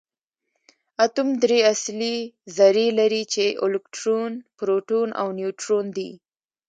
اتوم درې اصلي ذرې لري چې الکترون پروټون او نیوټرون دي